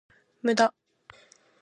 無駄